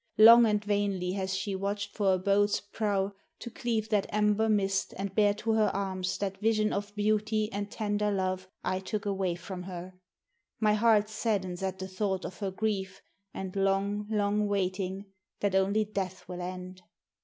Long and vainly has she watched for a boat's prow to cleave that amber mist and bear to her arms that vision of beauty and tender love I took away from her. My heart saddens at the thought of her grief and long, long waiting that only death will end.